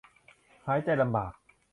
หายใจลำบาก